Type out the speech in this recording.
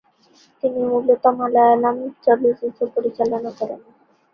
তিনি মূলত মালয়ালম চলচ্চিত্র পরিচালনা করেছেন।